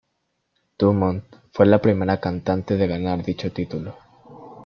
Dumont fue la primera cantante de ganar dicho título.